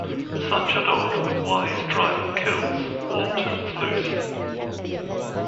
Such a dog the wise driver kills, or turns loose.